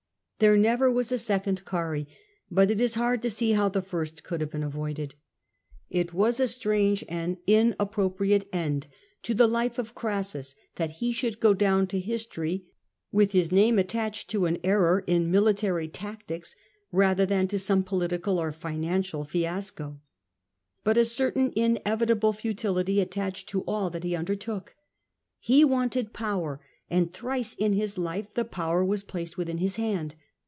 There never was a second Oarrhae, but it is hard to see how the first could have been avoided. It was a strange and inappropriate end to the life of Crassus that he should go down to history with his name attached to an error in military tactics, rather than to some political or financial fiasco. But a certain inevi table futility attached to all that he undertook. He wanted power, and thrice in his life the power was placed within his hand.